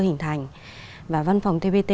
hình thành và văn phòng tpt